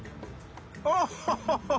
アッハハハ。